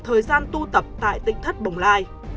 thời gian tu tập tại tỉnh thất bồng lai